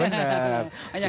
banyak kali yang menarik